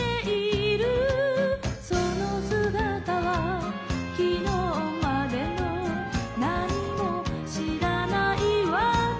「その姿はきのうまでの何も知らない私」